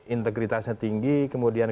integritasnya tinggi kemudian